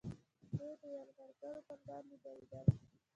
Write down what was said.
دوی د یرغلګرو پر وړاندې دریدل